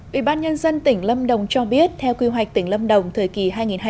ủy ban nhân dân tỉnh lâm đồng cho biết theo quy hoạch tỉnh lâm đồng thời kỳ hai nghìn hai mươi một hai nghìn ba mươi